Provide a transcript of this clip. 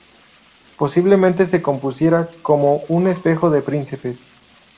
Posiblemente se compusiera como un espejo de príncipes.